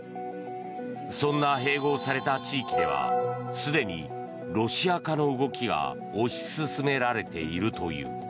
そんな併合された地域ではすでにロシア化の動きが推し進められているという。